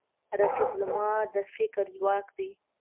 رقیب زما د فکر ځواک دی